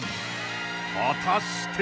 ［果たして］